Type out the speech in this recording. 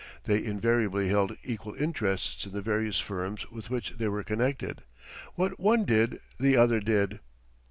They invariably held equal interests in the various firms with which they were connected. What one did the other did.